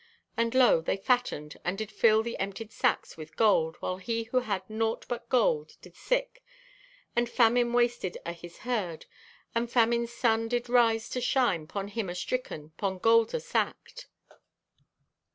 And lo, they fattened and did fill the emptied sacks with gold, while he who hath naught but gold did sick, and famine wasted o' his herd and famine's sun did rise to shine 'pon him astricken 'pon gold asacked."